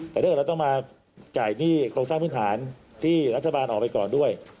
แต่ถ้าเกิดเราต้องมาจ่ายหนี้โครงสร้างพื้นฐานที่รัฐบาลออกไปก่อนด้วย